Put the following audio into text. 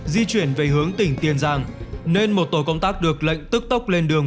di chuyển về hướng tỉnh tiền giang nên một tổ công tác được lệnh tức tốc lên đường